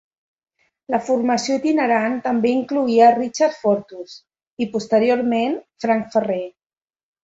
La formació itinerant també incloïa Richard Fortus i, posteriorment, Frank Ferrer.